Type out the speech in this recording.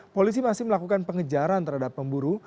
polisi masih melakukan pengejaran terhadap pemburu